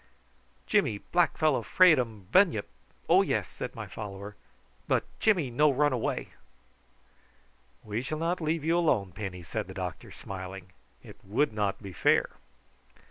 "Jimmy, black fellow 'fraid um bunyip; oh, yes!" said my follower; "but Jimmy no run away." "We shall not leave you alone, Penny," said the doctor, smiling. "It would not be fair."